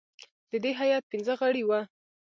د دې هیات پنځه غړي وه.